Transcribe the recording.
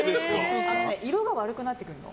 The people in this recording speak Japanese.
色が悪くなってくるの。